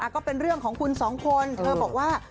ก็เป็นเรื่องของคุณสองคนเธอบอกว่า